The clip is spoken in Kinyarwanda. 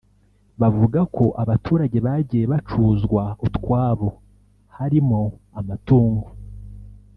bavuga ko abaturage bagiye bacuzwa utwabo harimo amatungo